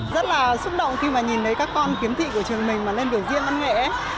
rất là xúc động khi mà nhìn thấy các con kiếm thị của trường mình mà lên biểu diễn văn nghệ